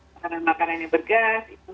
makanan makanan yang bergas itu